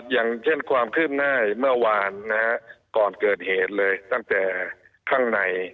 อย่างเช่นความคืบหน้าเมื่อวานก่อนเกิดเหตุเลยตั้งแต่ข้างใน